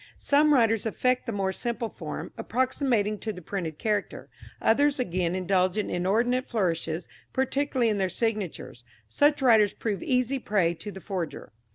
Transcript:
Some writers affect the more simple form, approximating to the printed character. Others again indulge in inordinate flourishes, particularly in their signatures. Such writers prove easy prey to the forger.